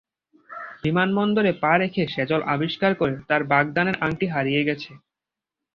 বিমানবন্দরে পা রেখে সেজল আবিষ্কার করে তার বাগদানের আংটি হারিয়ে গেছে।